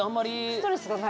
ストレスがない？